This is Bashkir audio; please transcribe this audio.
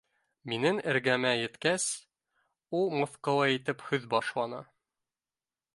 Минең эргәмә еткәс, ул мыҫҡыллы итеп һүҙ башланы: